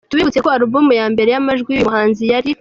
Tubibutse ko album ya mbere yamajwi yuyu muhanzi yari.